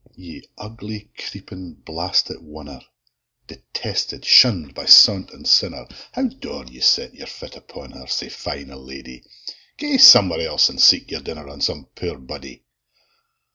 Ye ugly, creepin, blastit wonner, Detested, shunn'd by saunt an' sinner, How daur ye set your fit upon her Sae fine a lady? Gae somewhere else and seek your dinner On some poor body.